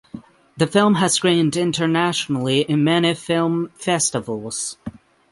The film has screened internationally in many film festivals.